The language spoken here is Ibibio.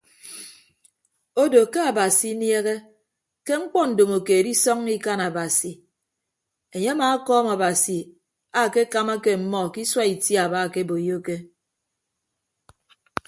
Odo ke abasi iniehe ke mkpọ ndomokeed isọññọ ikan abasi enye amaakọọm abasi akekamake ọmmọ ke isua itiaba akeboiyoke.